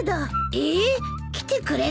えっ来てくれないの？